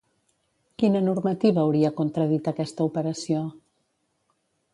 Quina normativa hauria contradit aquesta operació?